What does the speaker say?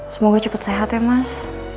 semoga cepat sehat ya mas